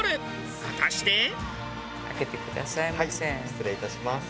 失礼いたします。